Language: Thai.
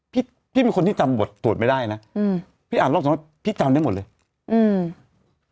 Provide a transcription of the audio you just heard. พี่พี่เป็นคนที่จำบทสวดไม่ได้นะอืมพี่อ่านรอบสองรอบพี่จำได้หมดเลยอืม